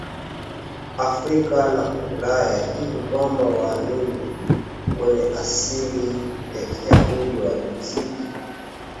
Afrika na Ulaya hivi kwamba waamini wenye asili ya Kiyahudi walizidi